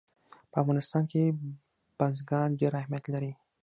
په افغانستان کې بزګان ډېر اهمیت لري.